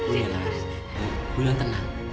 tidak ada tiara